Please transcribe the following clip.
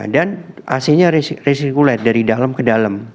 dan ac nya resirkulat dari dalam ke dalam